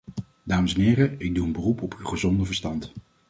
Dames en heren, ik doe een beroep op uw gezonde verstand.